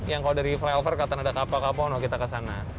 yang kalau dari flyover kata ada kapau kapau kita ke sana